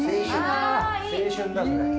青春だそれ。